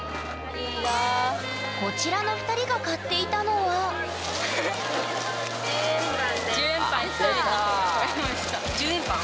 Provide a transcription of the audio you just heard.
こちらの２人が買っていたのは１０円パン？